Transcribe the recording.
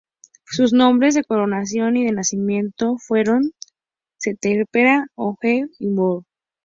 Sus nombres de coronación y de nacimiento fueron: "Dyeserjeperura-Setepenra Horemheb-Meryamón".